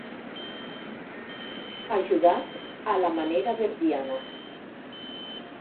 Ajudat a la manera verdiana.